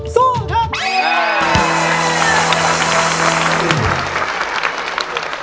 สู้ครับ